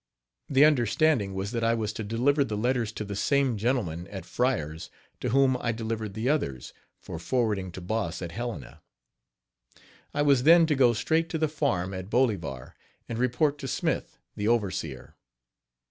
The understanding was that I was to deliver the letters to the same gentleman, at Fryer's, to whom I delivered the others, for forwarding to Boss at Helena. I was then to go straight to the farm at Boliver, and report to Smith, the overseer.